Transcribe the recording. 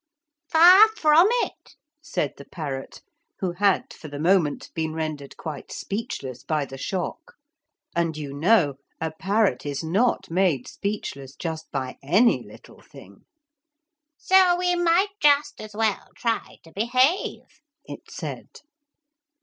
'Far from it,' said the parrot, who had for the moment been rendered quite speechless by the shock. And you know a parrot is not made speechless just by any little thing. 'So we may just as well try to behave,' it said.